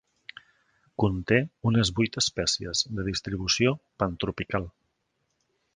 Conté unes vuit espècies de distribució pantropical.